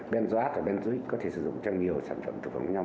benzoate và benzoic có thể sử dụng trong nhiều sản phẩm thực phẩm nhau